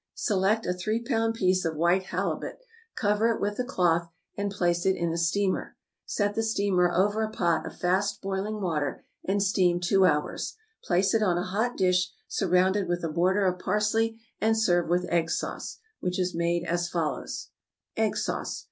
= Select a three pound piece of white halibut, cover it with a cloth, and place it in a steamer; set the steamer over a pot of fast boiling water, and steam two hours; place it on a hot dish, surrounded with a border of parsley; and serve with egg sauce, which is made as follows: =Egg Sauce.